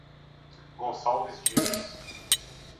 Gonçalves Dias